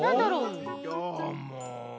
どーも。